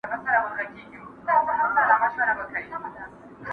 ور پسې وه د خزان وحشي بادونه!